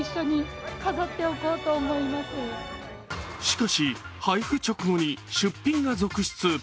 しかし、配布直後に出品が続出。